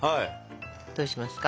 どうしますか？